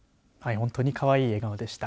本当にかわいい笑顔でした。